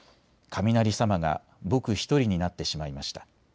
雷様が僕１里になってしまいました。